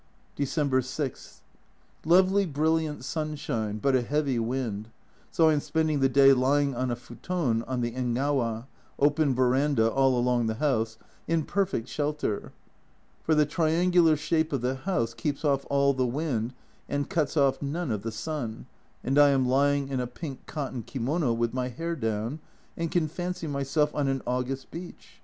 December 6. Lovely brilliant sunshine, but a heavy wind, so I am spending the day lying on a futon on the engawa (open verandah all along the house), in perfect shelter, for the A shape of the house keeps off all the wind and cuts off none of the sun, and I am lying in a pink cotton kimono with my hair down, and can fancy myself on an August beach